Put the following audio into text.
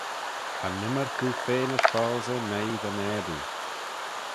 Cha nymmyrk oo feanish foalsey noi dty naboo.